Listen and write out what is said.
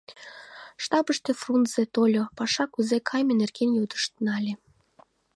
Штабышке Фрунзе тольо, паша кузе кайыме нерген йодышт нале.